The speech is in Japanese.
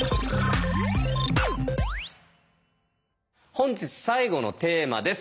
本日最後のテーマです。